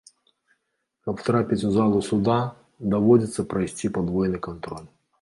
Каб трапіць у залу суда, даводзіцца прайсці падвойны кантроль.